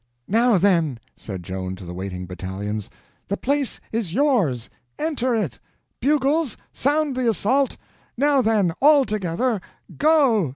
"Now, then," said Joan to the waiting battalions, "the place is yours—enter in! Bugles, sound the assault! Now, then—all together—go!"